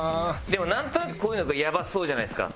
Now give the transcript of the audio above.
でもなんとなくこういうのやばそうじゃないですか？